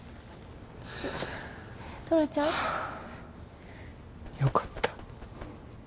トラちゃん？よかった。